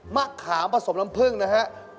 มะขามผสมลำเพิ่งนะฮะ๘๕กรัม